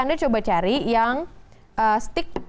anda coba cari yang stick